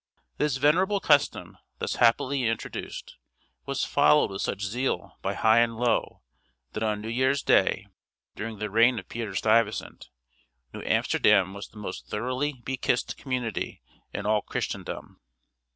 This venerable custom, thus happily introduced, was followed with such zeal by high and low that on New Year's Day, during the reign of Peter Stuyvesant, New Amsterdam was the most thoroughly be kissed community in all Christendom.